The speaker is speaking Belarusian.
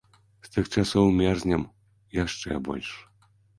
З тых часоў мерзнем яшчэ больш.